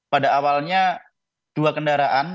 pada awalnya dua kendaraan